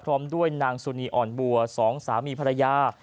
พร้อมด้วยนางสุนีอ่อนบัวสองสามีภรรยา